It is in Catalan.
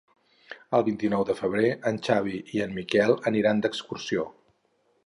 El vint-i-nou de febrer en Xavi i en Miquel aniran d'excursió.